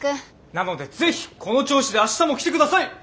なのでぜひこの調子で明日も来て下さい！